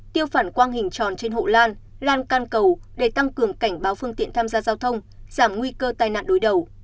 tiêu phản quang hình tròn trên hộ lan lan can cầu để tăng cường cảnh báo phương tiện tham gia giao thông giảm nguy cơ tai nạn đối đầu